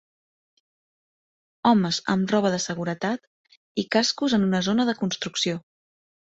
Homes amb roba de seguretat i cascos en una zona de construcció.